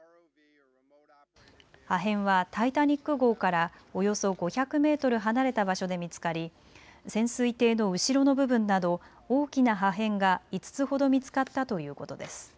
破片はタイタニック号からおよそ５００メートル離れた場所で見つかり潜水艇の後ろの部分など大きな破片が５つほど見つかったということです。